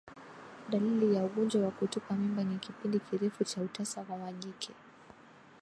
Dalili ya ugonjwa wa kutupa mimba ni kipindi kirefu cha utasa kwa majike